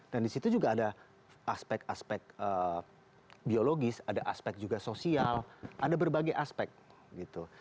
dan di situ juga ada aspek aspek biologis ada aspek juga sosial ada berbagai aspek gitu